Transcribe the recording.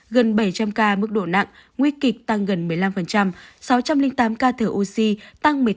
gần bảy trăm linh ca mức độ nặng nguy kịch tăng gần một mươi năm sáu trăm linh tám ca thở oxy tăng một mươi năm